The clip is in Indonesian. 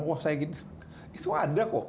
wah saya itu ada kok